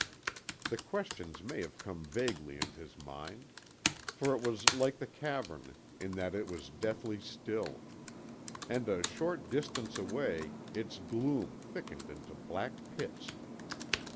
The questions may have come vaguely in his mind. For it was like the cavern, in that it was deathly still; and a short distance away its gloom thickened into black pits.